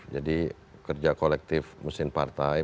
jadi kerja kolektif mesin partai